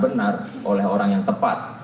benar oleh orang yang tepat